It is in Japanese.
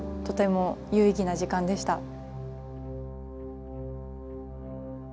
とても有意義な時間でした。